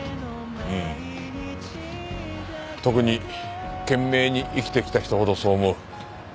うん特に懸命に生きてきた人ほどそう思う。